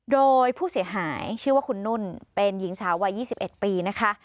โดยผู้เสียหายชื่อว่าคุณนุ่นเป็นหญิงสาววัย๒๑ปีนะคะ